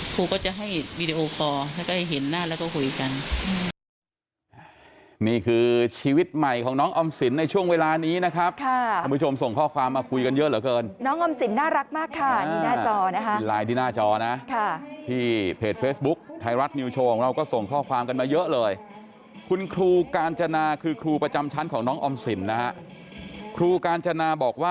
ครูก็จะให้วีดีโอกรแล้วก็ให้เห็นหน้าแล้วก็คุยกัน